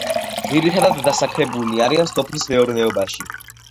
ძირითადად დასაქმებულნი არიან სოფლის მეურნეობაში.